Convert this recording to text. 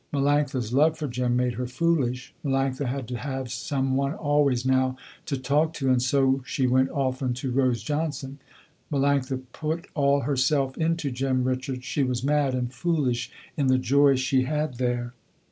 Melanctha's love for Jem made her foolish. Melanctha had to have some one always now to talk to and so she went often to Rose Johnson. Melanctha put all herself into Jem Richards. She was mad and foolish in the joy she had there.